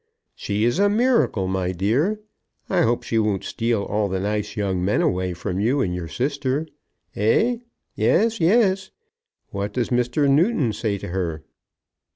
"She is a miracle, my dear! I hope she won't steal all the nice young men away from you and your sister, eh? Yes; yes. What does Mr. Newton say to her?"